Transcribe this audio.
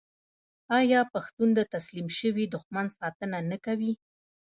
آیا پښتون د تسلیم شوي دښمن ساتنه نه کوي؟